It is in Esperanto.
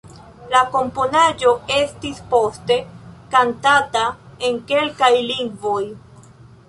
La komponaĵo estis poste kantata en kelkaj lingvoj.